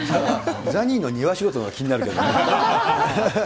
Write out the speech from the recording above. ザニーの庭仕事のほうが気になるけどね。